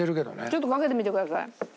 ちょっとかけてみてください。